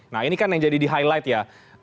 nah ini kan yang jadi di highlight ya